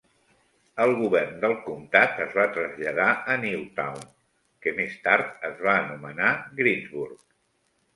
El govern del comtat es va traslladar a Newtown, que més tard es va anomenar Greensburg.